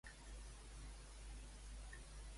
A l'operació tornada hi haurà vaga de Renfe.